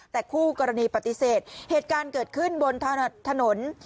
แต่คู่กรณีปฏิเสธเหตุการณ์เกิดขึ้นบนถนน